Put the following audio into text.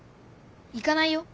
行かないよ。